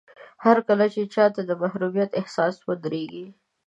هرکله چې چاته د محروميت احساس ودرېږي.